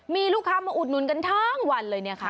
มีลูกค้ามาอุดหนุนกันทั้งวันเลยเนี่ยค่ะ